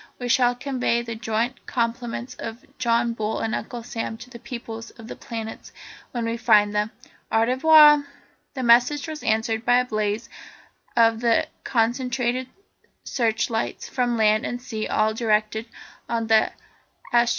We shall convey the joint compliments of John Bull and Uncle Sam to the peoples of the planets when we find them. Au revoir!" The message was answered by the blaze of the concentrated searchlights from land and sea all directed on the Astronef.